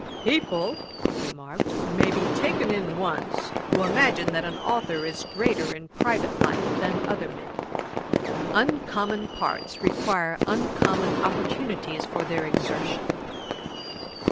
'People (he remarked) may be taken in once, who imagine that an authour is greater in private life than other men. Uncommon parts require uncommon opportunities for their exertion.